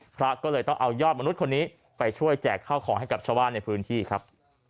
พระก็เลยต้องเอายอดมนุษย์คนนี้ไปช่วยแจกข้าวของให้กับชาวบ้านในพื้นที่ครับ